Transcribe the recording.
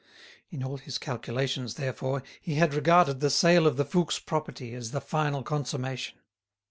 In all his calculations, therefore, he had regarded the sale of the Fouques' property as the final consummation.